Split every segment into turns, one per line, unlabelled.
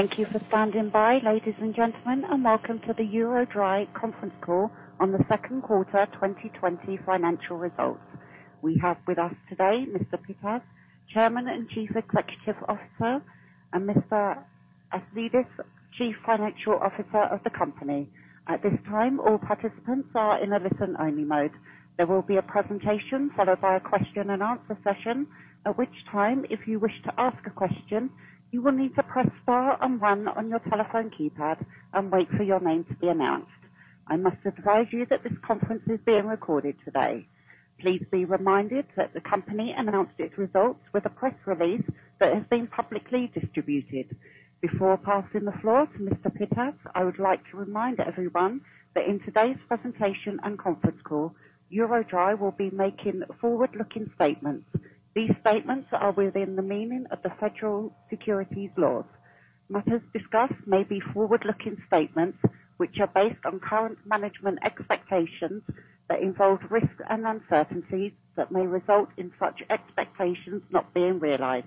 Thank you for standing by, ladies and gentlemen, and welcome to the EuroDry conference call on the second quarter 2020 financial results. We have with us today Mr. Pittas, Chairman and Chief Executive Officer, and Mr. Aslidis, Chief Financial Officer of the company. At this time, all participants are in a listen-only mode. There will be a presentation followed by a question and answer session, at which time, if you wish to ask a question, you will need to press star and one on your telephone keypad and wait for your name to be announced. I must advise you that this conference is being recorded today. Please be reminded that the company announced its results with a press release that has been publicly distributed. Before passing the floor to Mr. Pittas, I would like to remind everyone that in today's presentation and conference call, EuroDry will be making forward-looking statements. These statements are within the meaning of the federal securities laws. Matters discussed may be forward-looking statements, which are based on current management expectations that involve risks and uncertainties that may result in such expectations not being realized.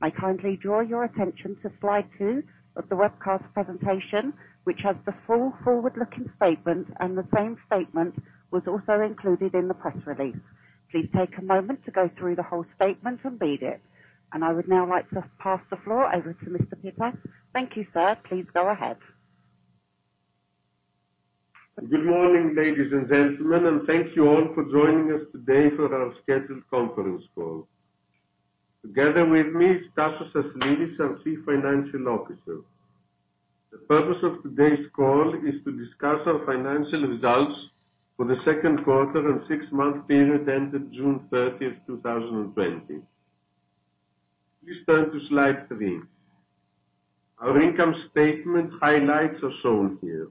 I kindly draw your attention to slide two of the webcast presentation, which has the full forward-looking statement, and the same statement was also included in the press release. Please take a moment to go through the whole statement and read it. I would now like to pass the floor over to Mr. Pittas. Thank you, sir. Please go ahead.
Good morning, ladies and gentlemen, thank you all for joining us today for our scheduled conference call. Together with me is Tasios Aslidis, our Chief Financial Officer. The purpose of today's call is to discuss our financial results for the second quarter and six-month period ended June 30th, 2020. Please turn to slide three. Our income statement highlights are shown here.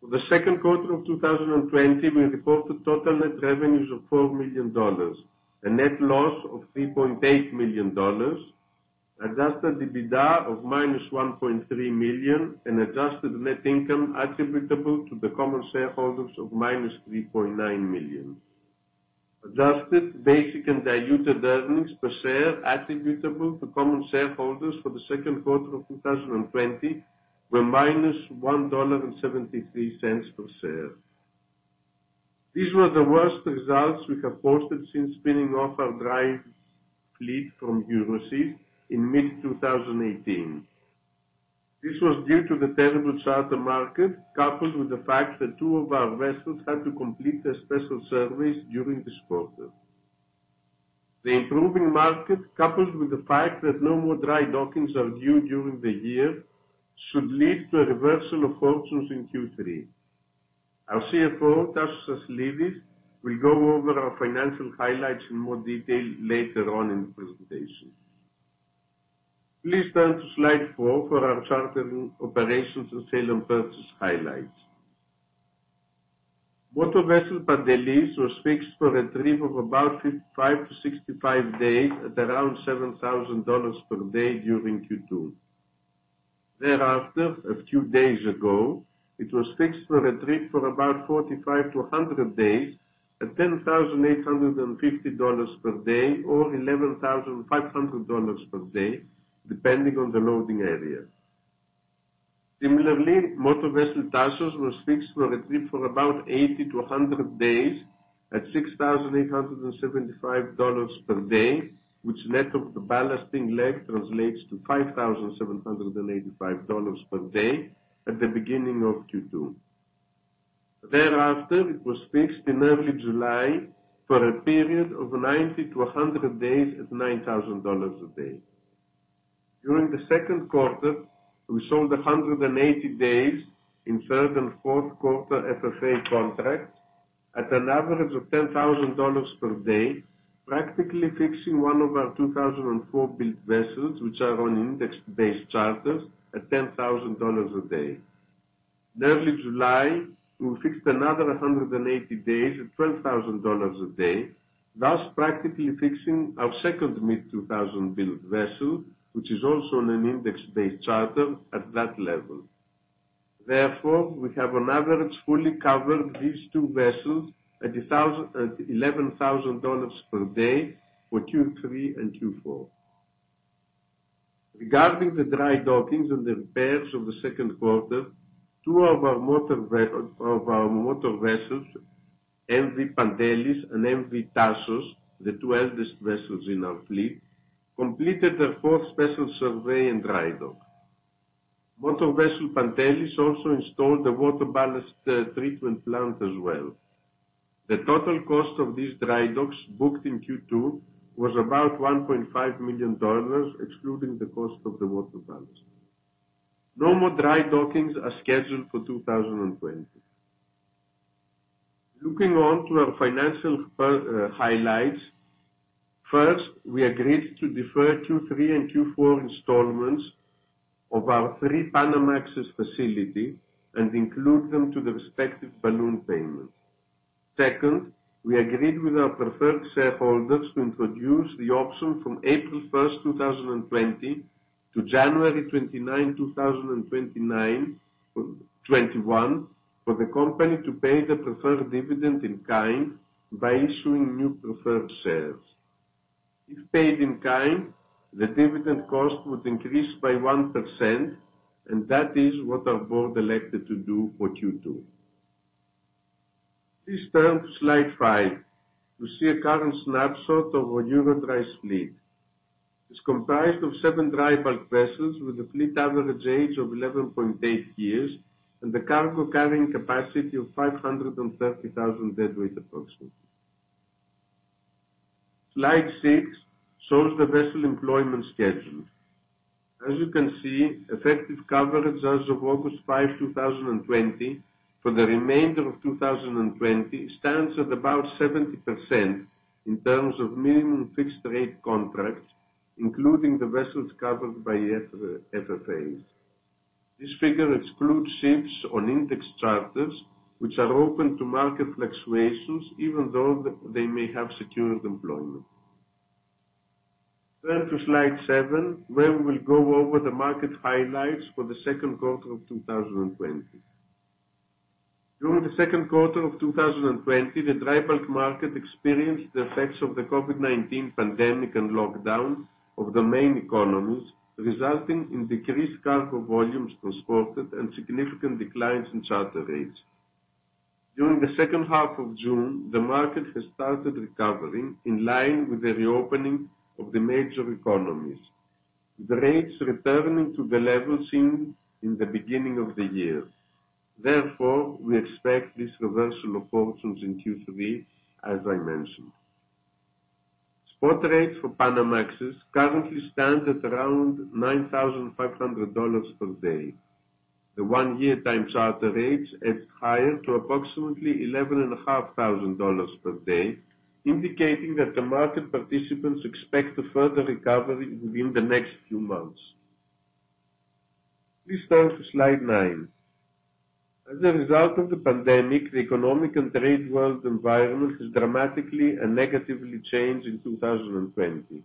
For the second quarter of 2020, we reported total net revenues of $4 million, a net loss of $3.8 million, adjusted EBITDA of -$1.3 million, and adjusted net income attributable to the common shareholders of -$3.9 million. Adjusted basic and diluted earnings per share attributable to common shareholders for the second quarter of 2020 were -$1.73 per share. These were the worst results we have posted since spinning off our dry fleet from EuroSeas in mid-2018. This was due to the terrible charter market, coupled with the fact that two of our vessels had to complete a special service during this quarter. The improving market, coupled with the fact that no more dry dockings are due during the year, should lead to a reversal of fortunes in Q3. Our CFO, Tasios Aslidis, will go over our financial highlights in more detail later on in the presentation. Please turn to slide four for our charter operations and sale and purchase highlights. Motor vessel Pantelis was fixed for a trip of about 55 to 65 days at around $7,000 per day during Q2. Thereafter, a few days ago, it was fixed for a trip for about 45 to 100 days at $10,850 per day or $11,500 per day, depending on the loading area. Similarly, motor vessel Tasos was fixed for a trip for about 80-100 days at $6,875 per day, which net of the ballasting leg translates to $5,785 per day at the beginning of Q2. Thereafter, it was fixed in early July for a period of 90-100 days at $9,000 a day. During the second quarter, we sold 180 days in third and fourth quarter FFA contracts at an average of $10,000 per day, practically fixing one of our 2004-built vessels, which are on index-based charters at $10,000 a day. In early July, we fixed another 180 days at $12,000 a day, thus practically fixing our second mid-2000-built vessel, which is also on an index-based charter at that level. We have on average fully covered these two vessels at $11,000 per day for Q3 and Q4. Regarding the dry dockings and repairs of the second quarter, two of our motor vessels, MV Pantelis and MV Tasos, the two eldest vessels in our fleet, completed their fourth special survey in dry dock. Motor vessel Pantelis also installed the ballast water treatment plant as well. The total cost of these dry docks booked in Q2 was about $1.5 million, excluding the cost of the water ballast. No more dry dockings are scheduled for 2020. Looking on to our financial highlights. First, we agreed to defer Q3 and Q4 installments of our three Panamax facility and include them to the respective balloon payments. Second, we agreed with our preferred shareholders to introduce the option from April 1st, 2020, to January 29, 2021, for the company to pay the preferred dividend in kind by issuing new preferred shares. If paid in kind, the dividend cost would increase by 1%, and that is what our board elected to do for Q2. Please turn to slide five to see a current snapshot of our EuroDry fleet. It's comprised of seven dry bulk vessels with a fleet average age of 11.8 years and a cargo carrying capacity of 530,000 deadweight approximately. Slide six shows the vessel employment schedule. As you can see, effective coverage as of August 5, 2020, for the remainder of 2020 stands at about 70% in terms of minimum fixed rate contracts, including the vessels covered by FFAs. This figure excludes ships on index charters, which are open to market fluctuations even though they may have secured employment. Turn to slide seven, where we will go over the market highlights for the second quarter of 2020. During the second quarter of 2020, the dry bulk market experienced the effects of the COVID-19 pandemic and lockdowns of the main economies, resulting in decreased cargo volumes transported and significant declines in charter rates. During the second half of June, the market has started recovering in line with the reopening of the major economies, with rates returning to the levels seen in the beginning of the year. Therefore, we expect this reversal of fortunes in Q3, as I mentioned. Spot rates for Panamax currently stand at around $9,500 per day. The one-year time charter rates is higher to approximately $11,500 per day, indicating that the market participants expect a further recovery within the next few months. Please turn to slide nine. As a result of the pandemic, the economic and trade world environment has dramatically and negatively changed in 2020.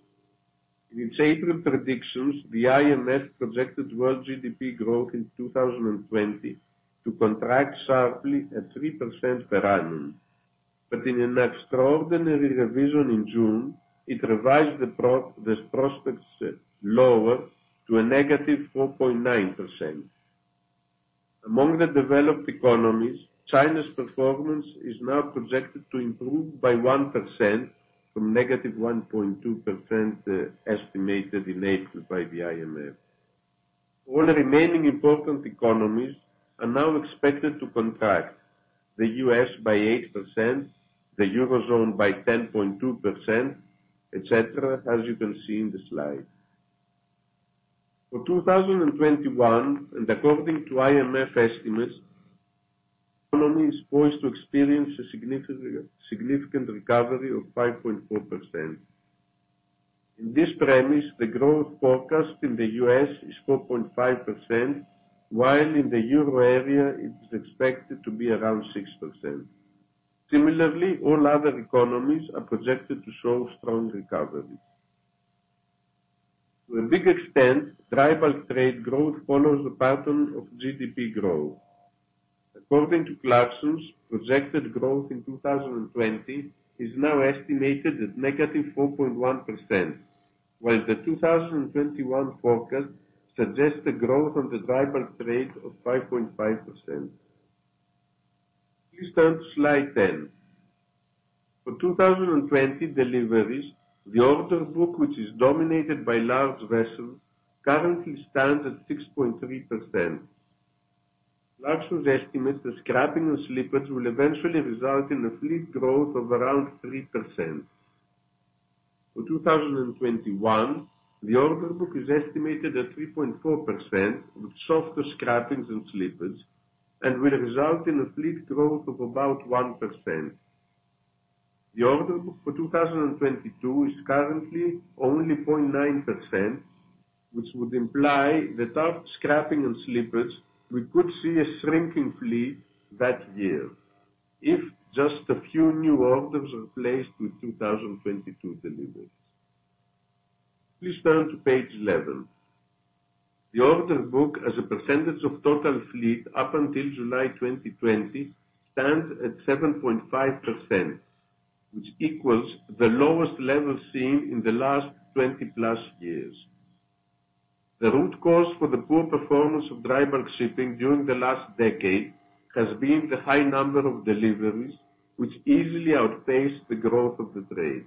In its April predictions, the IMF projected world GDP growth in 2020 to contract sharply at 3% per annum. In an extraordinary revision in June, it revised the prospects lower to a negative 4.9%. Among the developed economies, China's performance is now projected to improve by 1% from negative 1.2% estimated in April by the IMF. All remaining important economies are now expected to contract, the U.S. by 8%, the Eurozone by 10.2%, et cetera, as you can see in the slide. For 2021, according to IMF estimates, the economy is poised to experience a significant recovery of 5.4%. In this premise, the growth forecast in the U.S. is 4.5%, while in the Euro area, it is expected to be around 6%. Similarly, all other economies are projected to show strong recovery. To a big extent, dry bulk trade growth follows the pattern of GDP growth. According to Clarksons, projected growth in 2020 is now estimated at negative 4.1%, while the 2021 forecast suggests a growth of the dry bulk trade of 5.5%. Please turn to slide 10. For 2020 deliveries, the order book, which is dominated by large vessels, currently stands at 6.3%. Clarksons estimates the scrapping and slippage will eventually result in a fleet growth of around 3%. For 2021, the order book is estimated at 3.4% with softer scrappings and slippage and will result in a fleet growth of about 1%. The order book for 2022 is currently only 0.9%, which would imply without scrapping and slippage, we could see a shrinking fleet that year if just a few new orders are placed with 2022 deliveries. Please turn to page 11. The order book as a percentage of total fleet up until July 2020 stands at 7.5%, which equals the lowest level seen in the last 20+ years. The root cause for the poor performance of dry bulk shipping during the last decade has been the high number of deliveries, which easily outpaced the growth of the trade.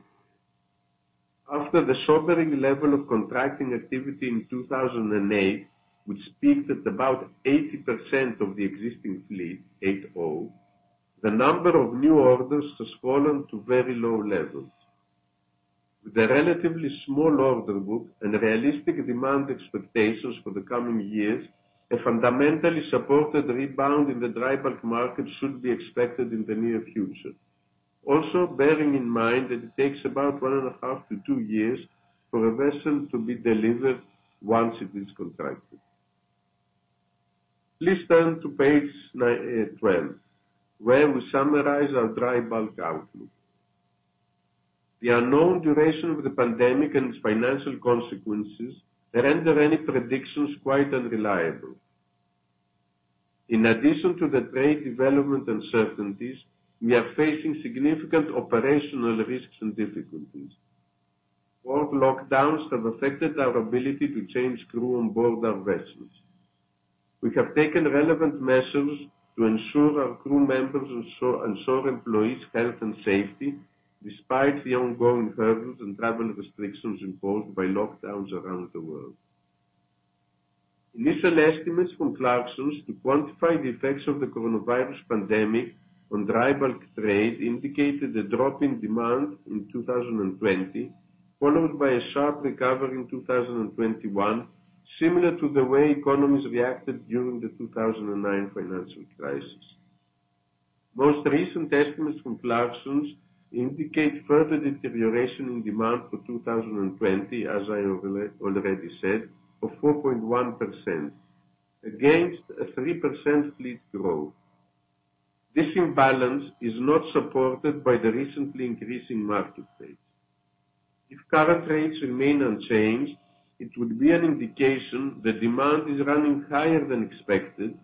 After the sobering level of contracting activity in 2008, which peaked at about 80% of the existing fleet, the number of new orders has fallen to very low levels. With a relatively small order book and realistic demand expectations for the coming years, a fundamentally supported rebound in the dry bulk market should be expected in the near future. Also, bearing in mind that it takes about one and a half to two years for a vessel to be delivered once it is contracted. Please turn to page 12, where we summarize our dry bulk outlook. The unknown duration of the pandemic and its financial consequences render any predictions quite unreliable. In addition to the trade development uncertainties, we are facing significant operational risks and difficulties. Port lockdowns have affected our ability to change crew on board our vessels. We have taken relevant measures to ensure our crew members ensure employees' health and safety, despite the ongoing hurdles and travel restrictions imposed by lockdowns around the world. Initial estimates from Clarksons to quantify the effects of the coronavirus pandemic on dry bulk trade indicated a drop in demand in 2020, followed by a sharp recovery in 2021, similar to the way economies reacted during the 2009 financial crisis. Most recent estimates from Clarksons indicate further deterioration in demand for 2020, as I already said, of 4.1% against a 3% fleet growth. This imbalance is not supported by the recently increasing market rates. If current rates remain unchanged, it would be an indication that demand is running higher than expected,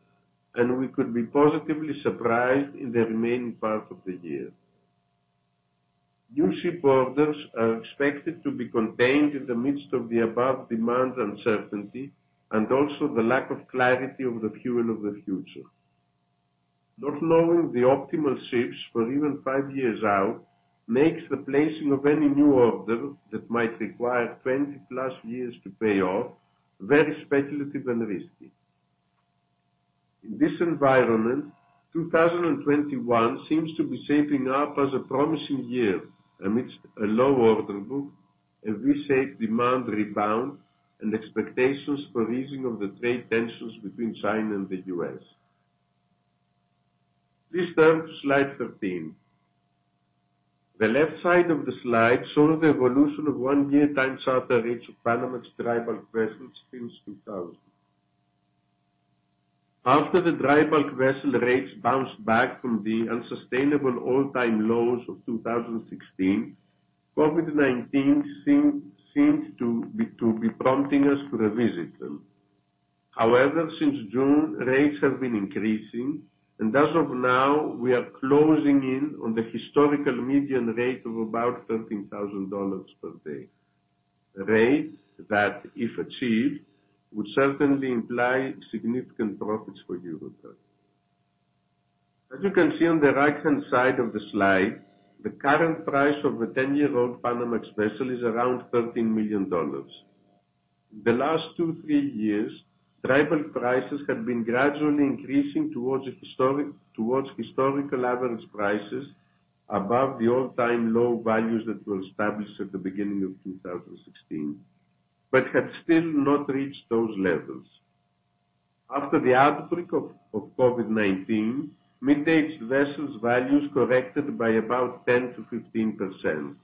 and we could be positively surprised in the remaining part of the year. New ship orders are expected to be contained in the midst of the above demand uncertainty, and also the lack of clarity of the fuel of the future. Not knowing the optimal ships for even five years out makes the placing of any new order that might require 20-plus years to pay off very speculative and risky. In this environment, 2021 seems to be shaping up as a promising year amidst a low order book, a V-shaped demand rebound, and expectations for easing of the trade tensions between China and the U.S. Please turn to Slide 13. The left side of the slide shows the evolution of one-year time charter rates of Panamax dry bulk vessels since 2000. After the dry bulk vessel rates bounced back from the unsustainable all-time lows of 2016, COVID-19 seemed to be prompting us to revisit them. Since June, rates have been increasing, and as of now, we are closing in on the historical median rate of about $13,000 per day. A rate that, if achieved, would certainly imply significant profits for EuroDry. As you can see on the right-hand side of the slide, the current price of a 10-year-old Panamax vessel is around $13 million. In the last two, three years, dry bulk prices had been gradually increasing towards historical average prices above the all-time low values that were established at the beginning of 2016, had still not reached those levels. After the outbreak of COVID-19, mid-aged vessels values corrected by about 10%-15%.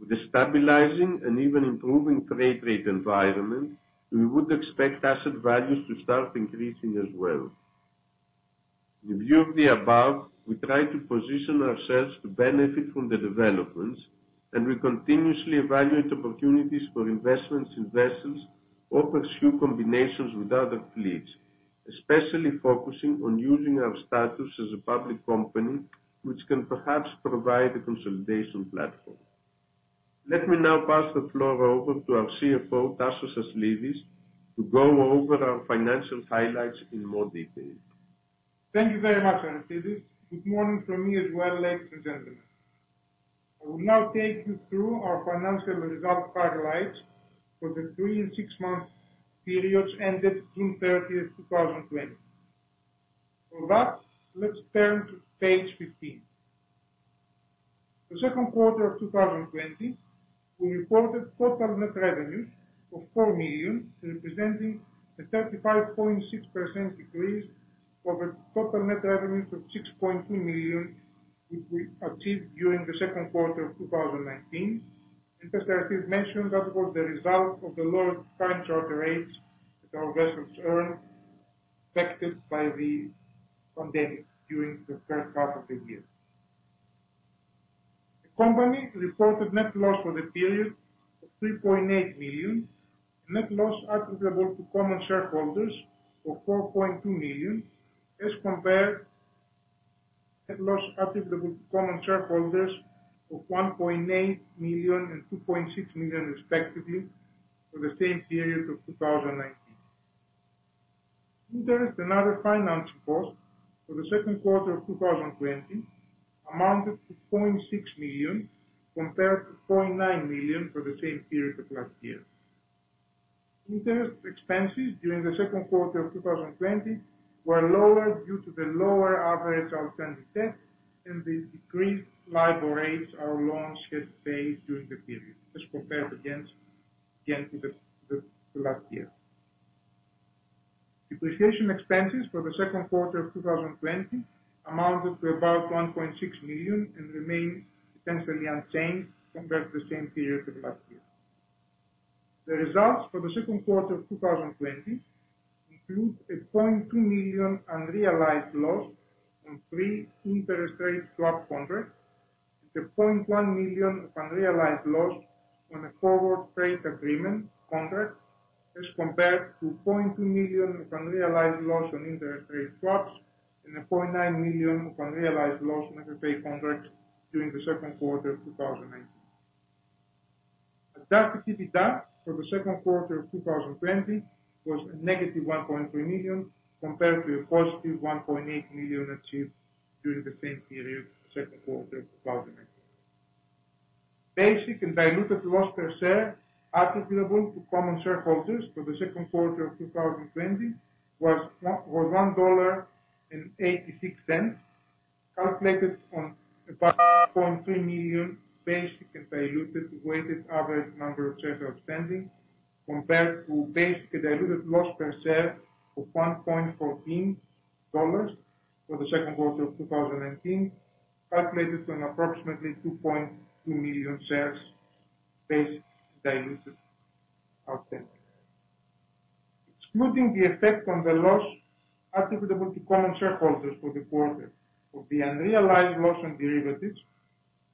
With a stabilizing and even improving trade rate environment, we would expect asset values to start increasing as well. In view of the above, we try to position ourselves to benefit from the developments, and we continuously evaluate opportunities for investments in vessels or pursue combinations with other fleets, especially focusing on using our status as a public company, which can perhaps provide a consolidation platform. Let me now pass the floor over to our CFO, Tasios Aslidis, to go over our financial highlights in more detail.
Thank you very much, Aristides. Good morning from me as well, ladies and gentlemen. I will now take you through our financial result highlights for the three and six-month periods ended June 30th, 2020. For that, let's turn to page 15. The second quarter of 2020, we reported total net revenues of $4 million, representing a 35.6% decrease over total net revenues of $6.2 million, which we achieved during the second quarter of 2019, which as Aristides mentioned, that was the result of the lower time charter rates that our vessels earned, affected by the pandemic during the first half of the year. The company reported net loss for the period of $3.8 million, net loss applicable to common shareholders of $4.2 million, as compared net loss applicable to common shareholders of $1.8 million and $2.6 million respectively for the same period of 2019. Interest and other financial costs for the second quarter of 2020 amounted to $0.6 million, compared to $0.9 million for the same period of last year. Interest expenses during the second quarter of 2020 were lower due to the lower average outstanding debt and the decreased LIBOR rates our loans had faced during the period as compared against the last year. Depreciation expenses for the second quarter of 2020 amounted to about $1.6 million and remain essentially unchanged compared to the same period of last year. The results for the second quarter of 2020 include a $0.2 million unrealized loss on three interest rate swap contracts. The $0.1 million of unrealized loss on a forward freight agreement contract as compared to $0.2 million of unrealized loss on interest rate swaps and a $0.9 million of unrealized loss on FFA contracts during the second quarter of 2019. Adjusted EBITDA for the second quarter of 2020 was -$1.3 million compared to $1.8 million achieved during the same period, second quarter of 2019. Basic and diluted loss per share attributable to common shareholders for the second quarter of 2020 was $1.86, calculated on about [2.3] million basic and diluted weighted average number of shares outstanding compared to basic and diluted loss per share of $1.14 for the second quarter of 2019, calculated on approximately 2.2 million shares basic and diluted outstanding. Excluding the effect on the loss attributable to common shareholders for the quarter of the unrealized loss on derivatives,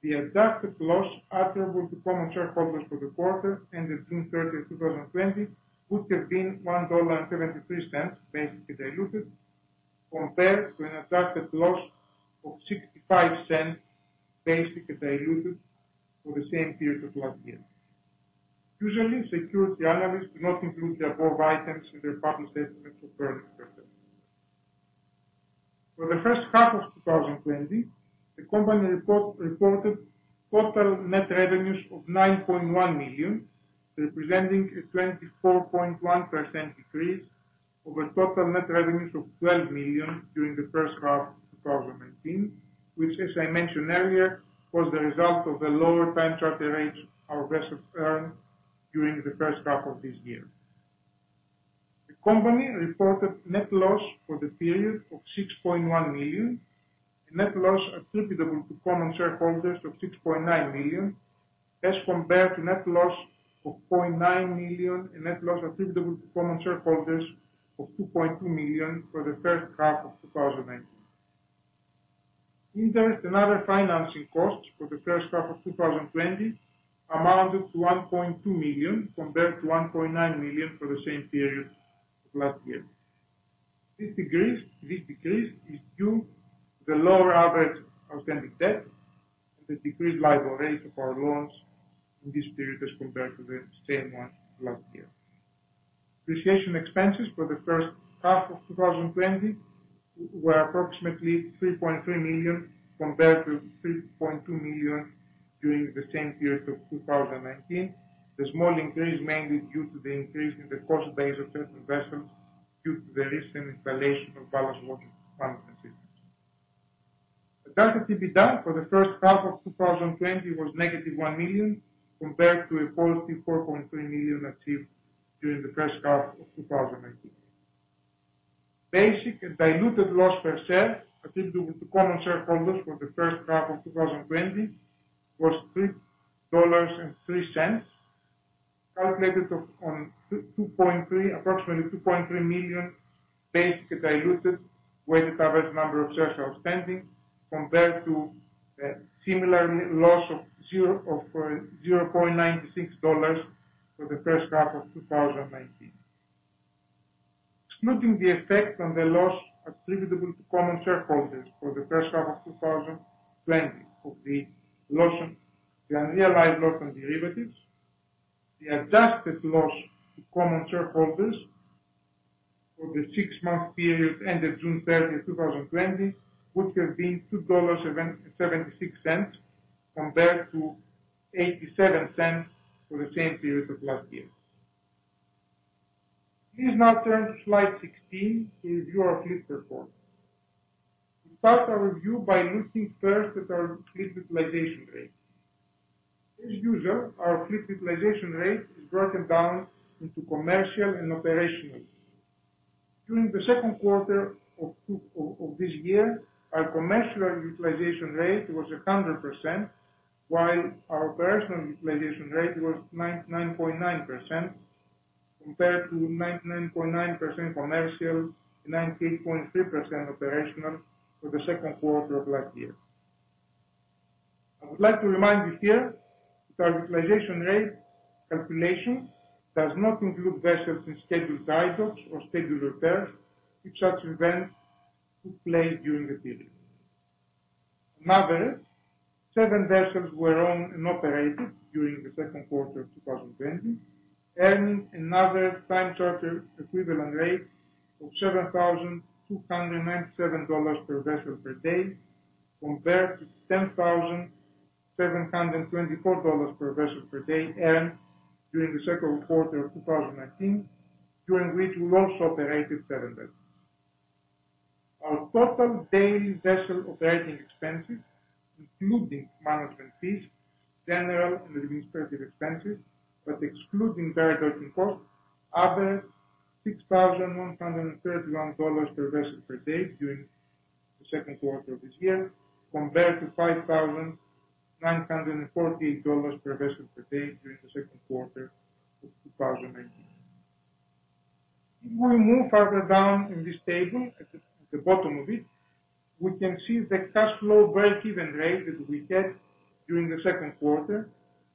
the adjusted loss attributable to common shareholders for the quarter ended June 30th, 2020, would have been $1.73 basic and diluted compared to an adjusted loss of $0.65 basic and diluted for the same period of last year. Usually, security analysts do not include the above items in their financial statements for earnings per share. For the first half of 2020, the company reported total net revenues of $9.1 million, representing a 24.1% decrease over total net revenues of $12 million during the first half of 2019, which as I mentioned earlier, was the result of the lower time charter rates our vessels earned during the first half of this year. The company reported net loss for the period of $6.1 million, a net loss attributable to common shareholders of $6.9 million, as compared to net loss of $0.9 million and net loss attributable to common shareholders of $2.2 million for the first half of 2019. Interest and other financing costs for the first half of 2020 amounted to $1.2 million compared to $1.9 million for the same period of last year. This decrease is due to the lower average outstanding debt and the decreased LIBOR rates of our loans in this period as compared to the same one last year. Depreciation expenses for the first half of 2020 were approximately $3.3 million compared to $3.2 million during the same period of 2019. The small increase mainly due to the increase in the cost base of certain vessels due to the recent installation of ballast water treatment systems. Adjusted EBITDA for the first half of 2020 was negative $1 million compared to a positive $4.3 million achieved during the first half of 2019. Basic and diluted loss per share attributable to common shareholders for the first half of 2020 was $3.03, calculated on approximately $2.3 million basic and diluted weighted average number of shares outstanding compared to a similar loss of $0.96 for the first half of 2019. Excluding the effect on the loss attributable to common shareholders for the first half of 2020 of the unrealized loss on derivatives, the adjusted loss to common shareholders for the six-month period ended June 30th, 2020, would have been $2.76 compared to $0.87 for the same period of last year. Please now turn to slide 16 to review our fleet performance. We start our review by looking first at our fleet utilization rate. As usual, our fleet utilization rate is broken down into commercial and operational. During the second quarter of this year, our commercial utilization rate was 100%, while our operational utilization rate was 99.9%, compared to 99.9% commercial and 98.3% operational for the second quarter of last year. I would like to remind you here that our utilization rate calculation does not include vessels in scheduled dry docks or scheduled repairs if such events took place during the period. On average, seven vessels were owned and operated during the second quarter of 2020, earning another time charter equivalent rate of $7,297 per vessel per day, compared to $10,724 per vessel per day earned during the second quarter of 2019, during which we also operated seven vessels. Our total daily vessel operating expenses, including management fees, general and administrative expenses, but excluding chartering costs, averaged $6,131 per vessel per day during the second quarter of this year compared to $5,948 per vessel per day during the second quarter of 2019. If we move further down in this table, at the bottom of it, we can see the cash flow breakeven rate that we had during the second quarter,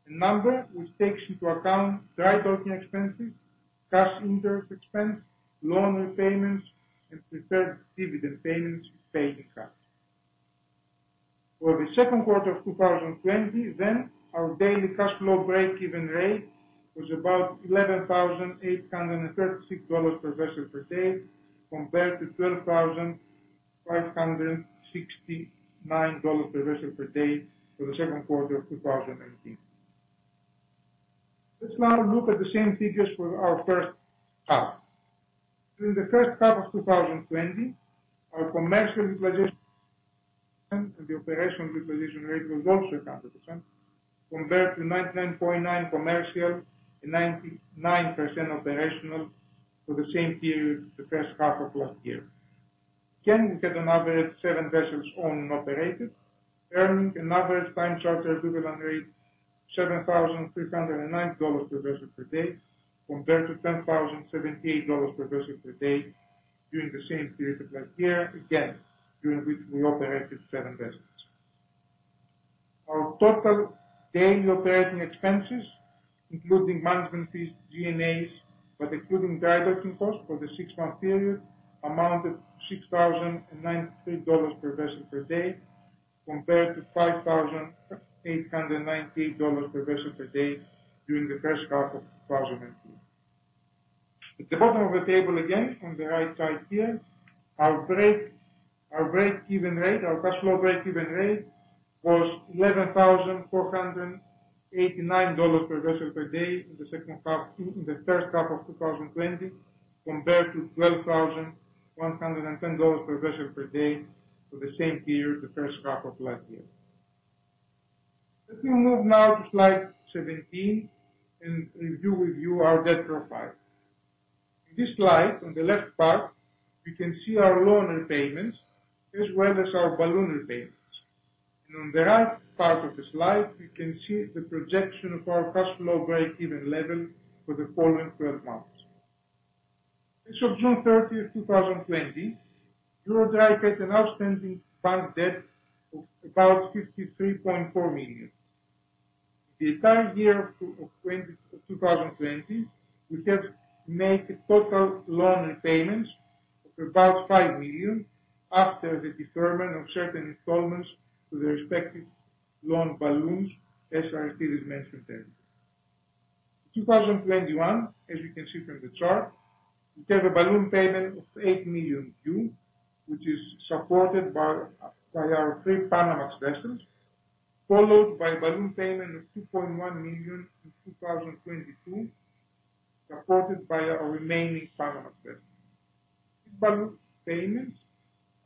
a number which takes into account dry docking expenses, cash interest expense, loan repayments, and preferred dividend payments paid in cash. For the second quarter of 2020, our daily cash flow breakeven rate was about $11,836 per vessel per day, compared to $12,569 per vessel per day for the second quarter of 2019. Let's now look at the same figures for our first half. During the first half of 2020, our commercial utilization, and the operational utilization rate was also 100%, compared to 99.9% commercial and 99% operational for the same period the first half of last year. Again, we had an average seven vessels owned and operated, earning an average time charter equivalent rate $7,309 per vessel per day, compared to $10,078 per vessel per day during the same period of last year, again, during which we operated seven vessels. Our total daily operating expenses, including management fees, G&A, but excluding dry docking costs for the six-month period, amounted $6,093 per vessel per day, compared to $5,898 per vessel per day during the first half of 2019. At the bottom of the table, again, on the right side here, our breakeven rate, our cash flow breakeven rate, was $11,489 per vessel per day in the first half of 2020, compared to $12,110 per vessel per day for the same period the first half of last year. Let me move now to slide 17 and do review our debt profile. In this slide, on the left part, we can see our loan repayments as well as our balloon repayments. On the right part of the slide, we can see the projection of our cash flow breakeven level for the following 12 months. As of June 30th, 2020, EuroDry had an outstanding bank debt of about $53.4 million. The entire year of 2020, we have made total loan repayments of about $5 million after the deferment of certain installments to the respective loan balloons, as our agreement terms. In 2021, as you can see from the chart, we have a balloon payment of $8 million due, which is supported by our three Panamax vessels, followed by a balloon payment of $2.1 million in 2022, supported by our remaining Panamax vessels. These balloon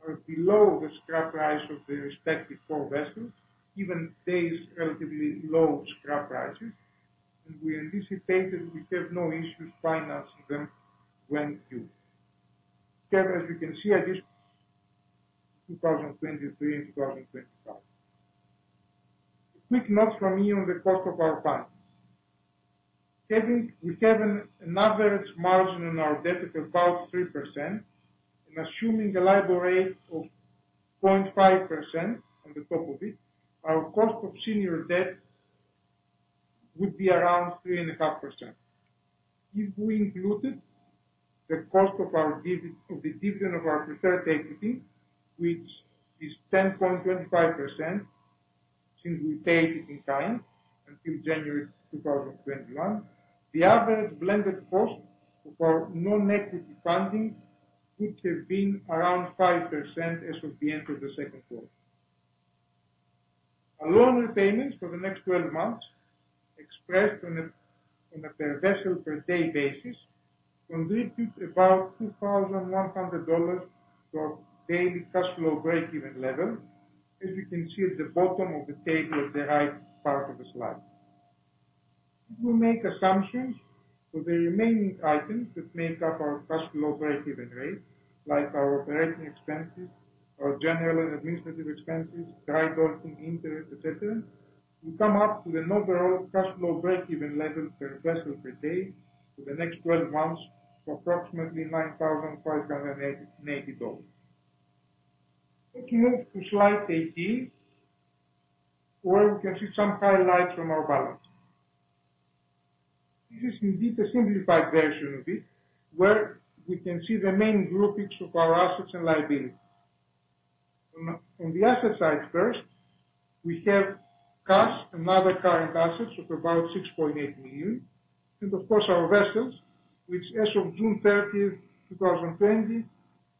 payments are below the scrap price of the respective four vessels, even today's relatively low scrap prices, and we anticipate that we have no issues financing them when due. Again, as you can see, 2023 and 2025. A quick note from me on the cost of our financings. We have an average margin on our debt of about 3%, and assuming a LIBOR rate of 0.5% on the top of it, our cost of senior debt would be around 3.5%. If we included the cost of the dividend of our preferred equity, which is 10.25%, since we paid it in kind until January 2021, the average blended cost for our non-equity funding would have been around 5% as of the end of the second quarter. Our loan repayments for the next 12 months, expressed on a per vessel per day basis, contribute about $2,100 to our daily cash flow breakeven level, as you can see at the bottom of the table at the right part of the slide. If we make assumptions for the remaining items that make up our cash flow breakeven rate, like our operating expenses, our general and administrative expenses, dry docking, interest, et cetera, we come up with an overall cash flow breakeven level per vessel per day for the next 12 months of approximately $9,580. If we move to slide 18, where we can see some highlights from our balance sheet. This is indeed a simplified version of it, where we can see the main groupings of our assets and liabilities. On the asset side first, we have cash and other current assets of about $6.8 million, and of course, our vessels, which as of June 30th, 2020,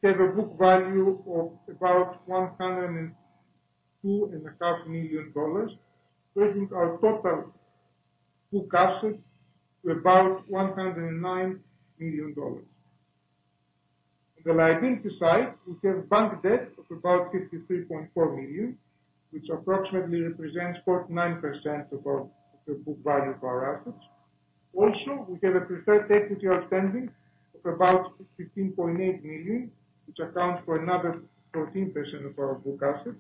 have a book value of about $102.5 million, bringing our total book assets to about $109 million. On the liability side, we have bank debt of about $53.4 million, which approximately represents 49% of the book value of our assets. We have a preferred equity outstanding of about $15.8 million, which accounts for another 14% of our book assets.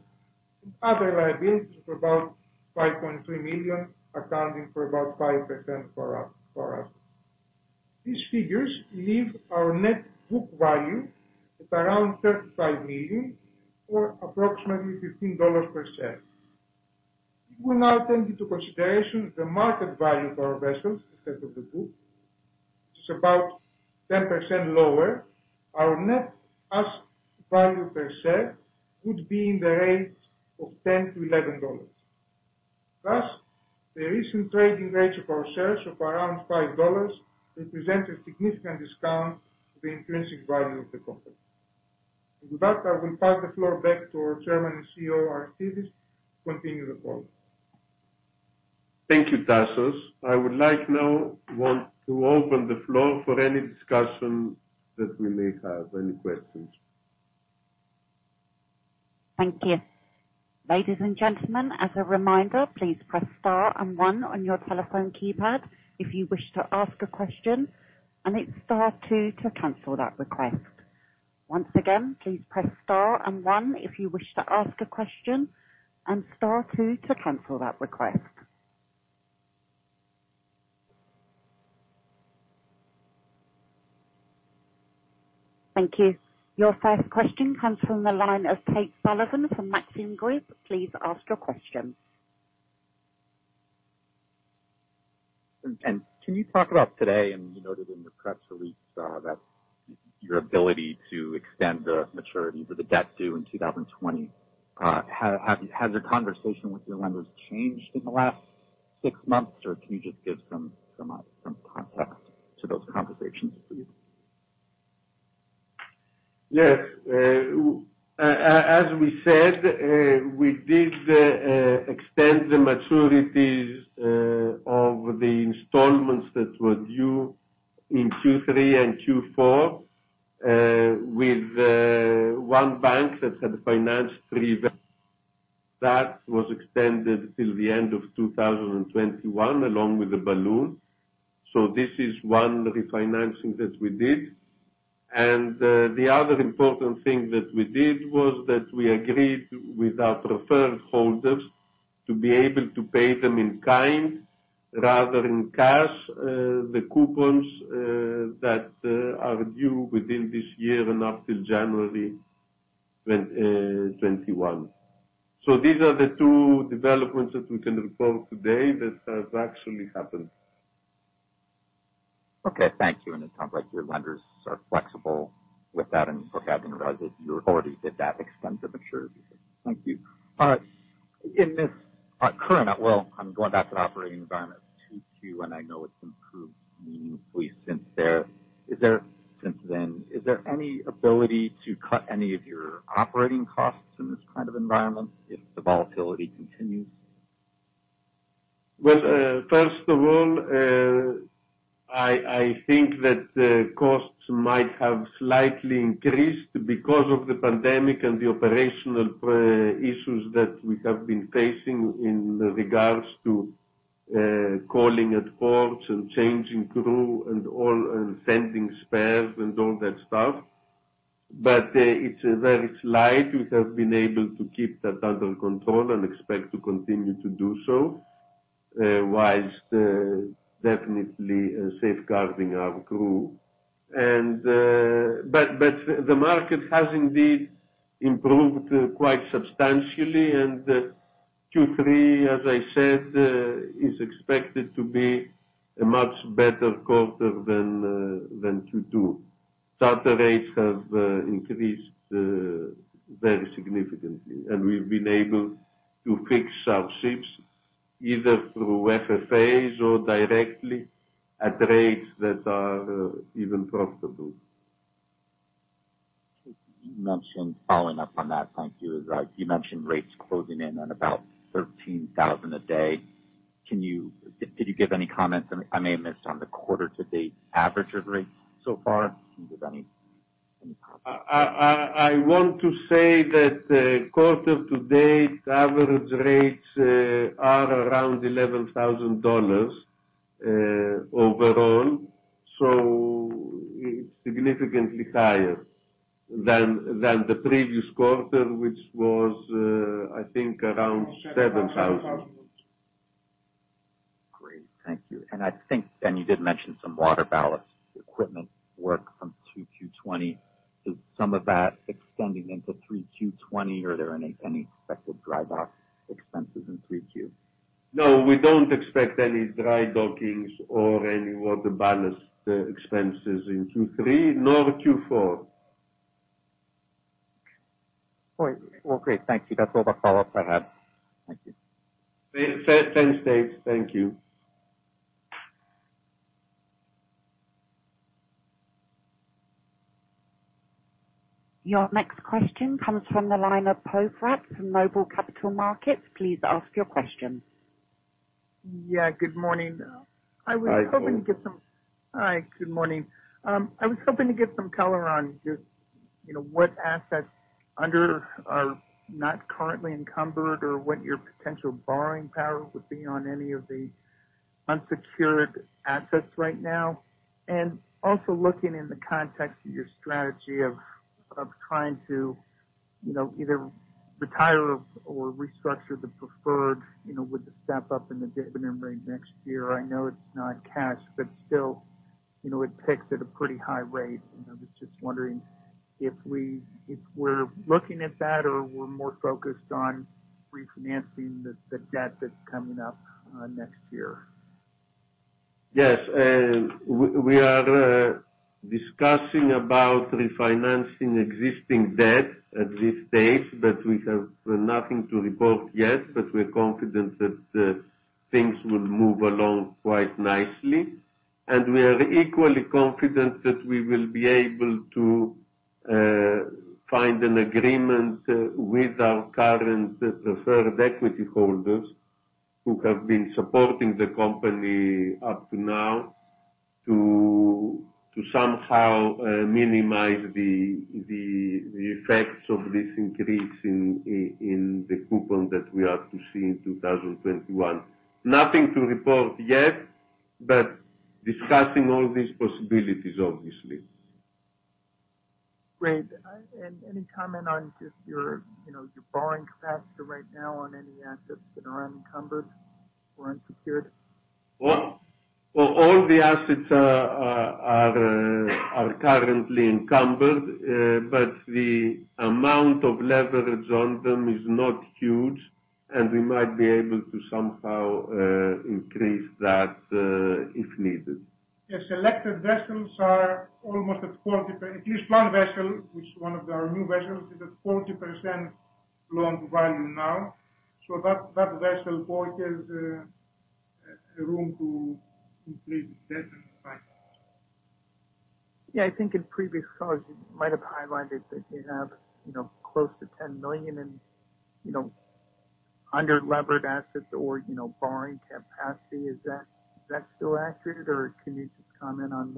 Other liabilities of about $5.3 million, accounting for about 5% for us. These figures leave our net book value at around $35 million or approximately $15 per share. If we now take into consideration the market value of our vessels instead of the book, which is about 10% lower, our net asset value per share would be in the range of $10-$11. Thus, the recent trading rates of our shares of around $5 represent a significant discount to the intrinsic value of the company. With that, I will pass the floor back to our Chairman and CEO, Aristides, to continue the call.
Thank you, Tasios. I would like now to open the floor for any discussion that we may have, any questions.
Thank you. Ladies and gentlemen, as a reminder, please press star and one on your telephone keypad if you wish to ask a question, and it's star two to cancel that request. Once again, please press star and one if you wish to ask a question, and star two to cancel that request. Thank you. Your first question comes from the line of Tate Sullivan from Maxim Group. Please ask your question.
Can you talk about today, and you noted in the press release that your ability to extend the maturity for the debt due in 2020. Has your conversation with your lenders changed in the last six months, or can you just give some context to those conversations, please?
Yes. As we said, we did extend the maturities of the installments that were due in Q3 and Q4 with one bank that had financed three vessels. That was extended till the end of 2021, along with the balloon. This is one refinancing that we did. The other important thing that we did was that we agreed with our preferred holders to be able to pay them in kind rather than cash, the coupons that are due within this year and up till January 2021. These are the two developments that we can report today that have actually happened.
Okay. Thank you. It sounds like your lenders are flexible with that and for having revised it. You already did that extend the maturity. Thank you. In this current, well, I'm going back to operating environment of Q2, and I know it's improved meaningfully since then. Is there any ability to cut any of your operating costs in this kind of environment if the volatility continues?
Well, first of all, I think that the costs might have slightly increased because of the pandemic and the operational issues that we have been facing in regards to calling at ports and changing crew and sending spares and all that stuff. It's very slight. We have been able to keep that under control and expect to continue to do so, whilst definitely safeguarding our crew. The market has indeed improved quite substantially, and Q3, as I said, is expected to be a much better quarter than Q2. Charter rates have increased very significantly, and we've been able to fix our ships either through FFAs or directly at rates that are even profitable.
You mentioned, following up on that, thank you, as you mentioned, rates closing in on about $13,000 a day. Did you give any comments, I may have missed, on the quarter to date average of rates so far? Can you give any comments?
I want to say that quarter to date average rates are around $11,000 overall, so it's significantly higher than the previous quarter, which was, I think, around $7,000.
Great. Thank you. I think you did mention some water ballast equipment work from Q2 2020. Is some of that extending into 3Q 2020 or are there any expected dry dock expenses in 3Q?
No, we don't expect any dry dockings or any water ballast expenses in Q3 nor Q4.
Well, great. Thank you. That's all the follow-up I have. Thank you.
Thanks, Tate. Thank you.
Your next question comes from the line of Poe Fratt from Noble Capital Markets. Please ask your question.
Yeah. Good morning.
Hi, Poe.
Hi, good morning. I was hoping to get some color on just what assets are not currently encumbered or what your potential borrowing power would be on any of the unsecured assets right now, and also looking in the context of your strategy of trying to either retire or restructure the preferred, with the step up in the dividend rate next year. Still, it ticks at a pretty high rate. I was just wondering if we're looking at that or we're more focused on refinancing the debt that's coming up next year.
Yes. We are discussing about refinancing existing debt at this stage, but we have nothing to report yet. We are confident that things will move along quite nicely. We are equally confident that we will be able to find an agreement with our current preferred equity holders who have been supporting the company up to now to somehow minimize the effects of this increase in the coupon that we are to see in 2021. Nothing to report yet, but discussing all these possibilities, obviously.
Great. Any comment on just your borrowing capacity right now on any assets that are unencumbered or unsecured?
Well, all the assets are currently encumbered. The amount of leverage on them is not huge, and we might be able to somehow increase that if needed.
Yes, selected vessels are almost at 40%. At least one vessel, which is one of our new vessels, is at 40% loan value now. That vessel, Poe, it has a room to complete debt and finance.
Yeah, I think in previous calls you might have highlighted that you have close to $10 million in under-levered assets or borrowing capacity. Is that still accurate, or can you just comment on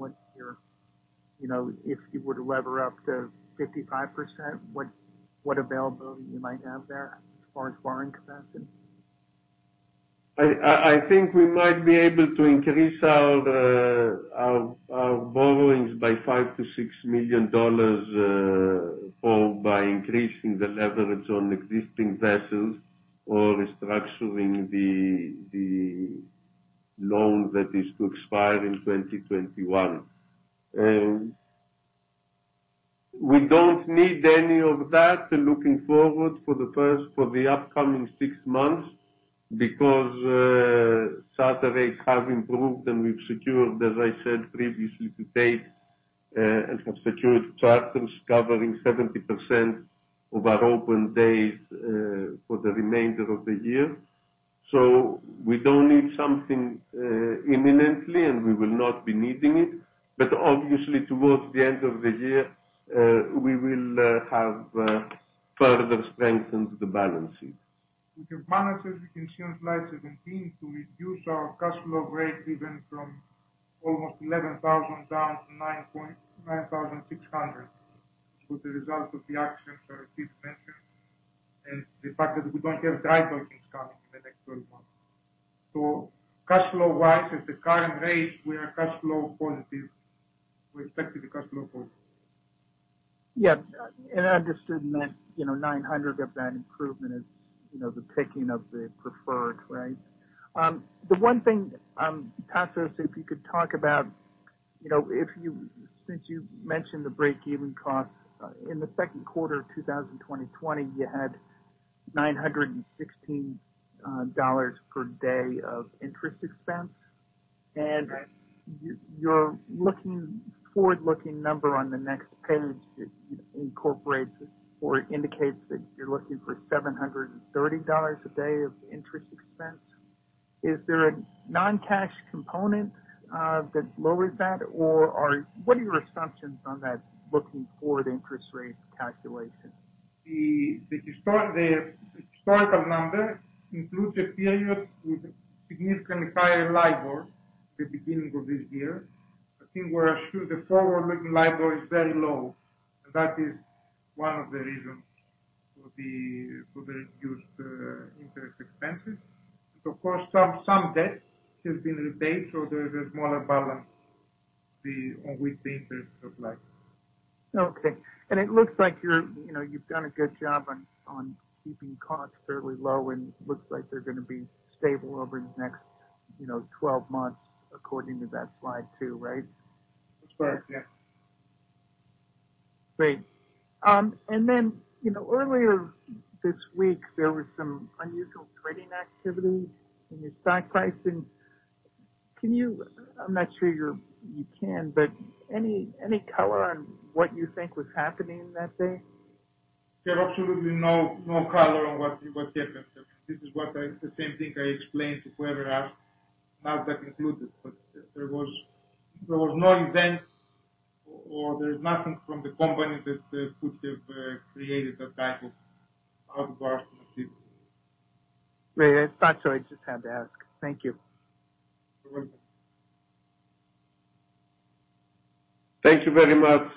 if you were to lever up to 55%, what availability you might have there as far as borrowing capacity?
I think we might be able to increase our borrowings by $5 million-$6 million, or by increasing the leverage on existing vessels or restructuring the loan that is to expire in 2021. We don't need any of that looking forward for the upcoming six months because charter rates have improved, and we've secured, as I said previously to date, and have secured charters covering 70% of our open days for the remainder of the year. We don't need something imminently, and we will not be needing it. Obviously, towards the end of the year, we will have further strengthened the balance sheet.
We have managed, as you can see on slide 17, to reduce our cash flow break-even from almost $11,000 down to $9,600, with the result of the actions that [Aristides] mentioned and the fact that we don't have dry dockings coming in the next 12 months. Cash flow-wise, at the current rate, we are cash flow positive. We expect to be cash flow positive.
Yeah. I understood that 900 of that improvement is the picking of the preferred, right? The one thing, Tasios, if you could talk about, since you mentioned the break-even cost. In the second quarter of 2020, you had $916 per day of interest expense. Your forward-looking number on the next page, it incorporates or indicates that you're looking for $730 a day of interest expense. Is there a non-cash component that lowers that, or what are your assumptions on that looking forward interest rate calculation?
The historical number includes a period with significantly higher LIBOR at the beginning of this year. I think we are sure the forward-looking LIBOR is very low, and that is one of the reasons for the reduced interest expenses. Of course, some debt has been repaid, so there is a smaller balance with the interest of LIBOR.
Okay. It looks like you've done a good job on keeping costs fairly low and looks like they're going to be stable over the next 12 months according to that slide two, right?
That's correct, yeah.
Great. Earlier this week, there was some unusual trading activity in your stock pricing. I'm not sure you can, but any color on what you think was happening that day?
There are absolutely no color on what happened. This is the same thing I explained to whoever asked, [not that included]. There was no event or there's nothing from the company that could have created that type of outburst, let's say.
Great. Thought so, I just had to ask. Thank you.
You're welcome.
Thank you very much.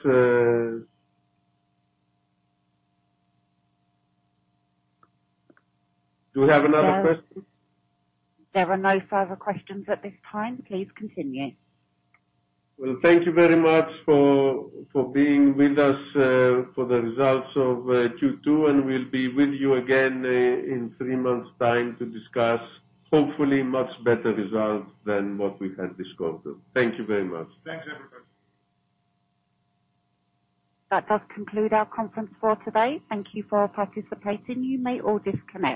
Do we have another question?
There are no further questions at this time. Please continue.
Well, thank you very much for being with us for the results of Q2, and we'll be with you again in three months' time to discuss, hopefully, much better results than what we had this quarter. Thank you very much.
Thanks, everybody.
That does conclude our conference for today. Thank you for participating. You may all disconnect.